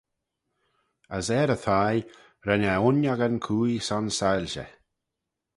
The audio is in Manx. As er y thie ren eh uinniagyn cooie son soilshey.